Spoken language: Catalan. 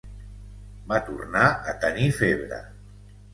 Va tornar a tenir febre.